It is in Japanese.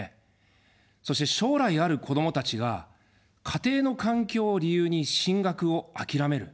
そして将来ある子どもたちが、家庭の環境を理由に進学を諦める。